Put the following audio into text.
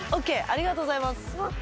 ありがとうございます。